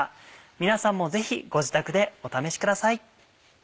皆さんもぜひご自宅でお試しください。